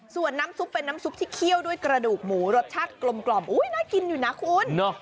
ส่วนน้ำซุปเป็นน้ำซุปที่เคี่ยวด้วยกระดูกหมูรสชาติกลมน่ากินอยู่นะคุณ